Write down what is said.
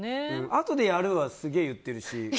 あとでやるはすげえ言ってるし。